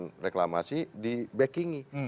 kepentingan reklamasi dibacking i